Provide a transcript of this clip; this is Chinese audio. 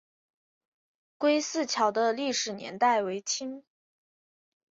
归驷桥的历史年代为清。